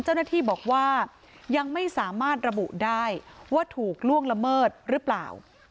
เจ้าหน้าที่บอกว่ายังไม่สามารถระบุได้ว่าถูกล่วงละเมิดหรือเปล่า